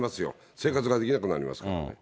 生活ができなくなりますからね。